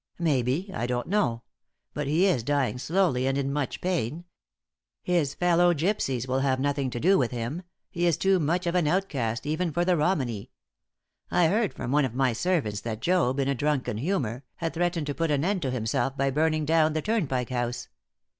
"Maybe I don't know. But he is dying slowly, and in much pain. His fellow gypsies will have nothing to do with him he is too much of an outcast even for the Romany! I heard from one of my servants that Job, in a drunken humour, had threatened to put an end to himself by burning down the Turnpike House.